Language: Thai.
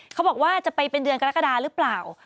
เขาบอกว่าจะไปเป็นเดือนกรกฎาหรือเปล่า